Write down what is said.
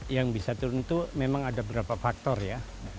yang bisa turun itu memang ada beberapa faktor ya